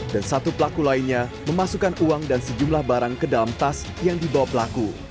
dan satu pelaku lainnya memasukkan uang dan sejumlah barang ke dalam tas yang dibawa pelaku